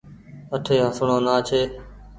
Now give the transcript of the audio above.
اٺي هسڻو نآ ڇي ۔